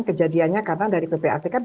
kejadiannya karena dari ppatk